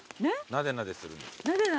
なでなでする。